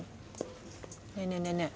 ねえねえねえねえ。